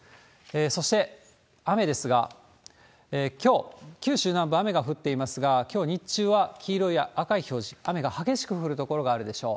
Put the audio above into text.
そして雨ですが、きょう、九州南部、雨が降っていますが、きょう日中は黄色や赤い表示、雨が激しく降る所があるでしょう。